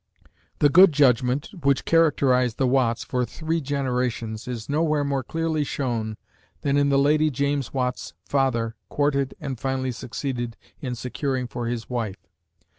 The good judgment which characterised the Watts for three generations is nowhere more clearly shown than in the lady James Watt's father courted and finally succeeded in securing for his wife.